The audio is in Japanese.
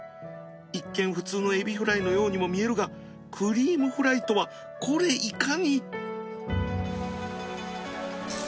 一見普通のエビフライのようにも見えるがクリームフライとはこれいかに！